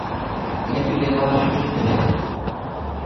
Ме тӱлена кӱртньӧ дене.